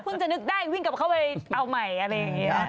จะนึกได้วิ่งกลับเข้าไปเอาใหม่อะไรอย่างนี้